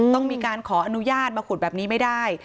ต้องมีการขออนุญาตมาขุดแบบนี้ไม่ได้